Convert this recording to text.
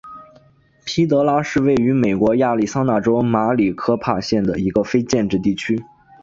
皮德拉是位于美国亚利桑那州马里科帕县的一个非建制地区。